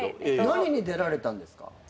何に出られたんですか？